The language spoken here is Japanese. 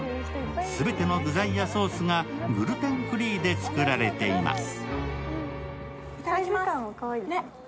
全ての具材やソースがグルテンフリーで作られています。